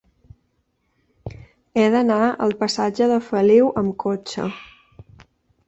He d'anar al passatge de Feliu amb cotxe.